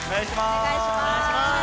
お願いします。